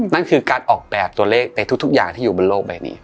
นั่นคือการออกแบบตัวเลขในทุกอย่างที่อยู่บนโลกใบนี้